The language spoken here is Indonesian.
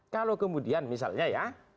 kalau kemudian misalnya ya